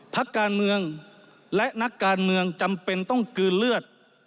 พักการเมืองและนักการเมืองจำเป็นต้องกลืนเลือด